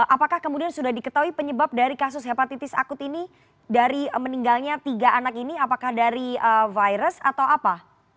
apakah kemudian sudah diketahui penyebab dari kasus hepatitis akut ini dari meninggalnya tiga anak ini apakah dari virus atau apa